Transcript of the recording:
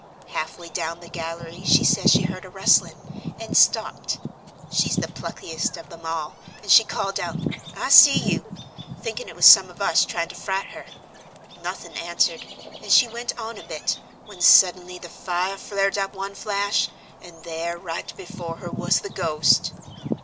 Halfway down the gallery she says she heard a rustling, and stopped. She's the pluckiest of 'em all, and she called out, 'I see you!' thinking it was some of us trying to fright her. Nothing answered, and she went on a bit, when suddenly the fire flared up one flash, and there right before her was the ghost."